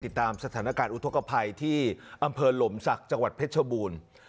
ติดตามสถานการณ์อุทธกภัยที่อำเภอหลมศักดิ์จังหวัดเพชรชบูรณ์